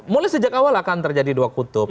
mulai sejak awal akan terjadi dua kutub